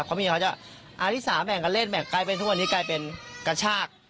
เพราะเมียเขาจะอันที่สามแบ่งกันเล่นแบ่งกลายเป็นทุกวันนี้กลายเป็นกระชาก